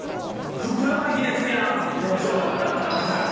ふくらはぎですやん店長。